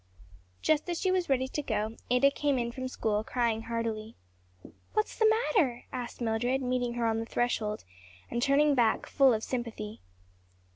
Just as she was ready to go, Ada came in from school, crying heartily. "What's the matter?" asked Mildred, meeting her on the threshold and turning back full of sympathy.